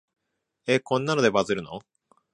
え、こんなのでバズるの？